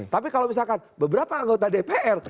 tapi kalau misalkan beberapa anggota dpr